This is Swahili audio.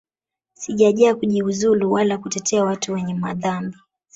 Sijaja kujiuzulu wala kutetea watu wenye madhambi